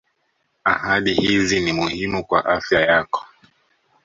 ahadi hizi ni muhimu kwa afya yako